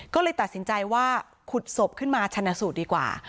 ก็เลยตัดสินใจว่าขุดศพขึ้นมาชนะสูตรดีกว่า